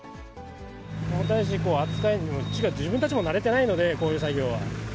重たいし、扱いにもこっちが自分たちも慣れてないので、こういう作業は。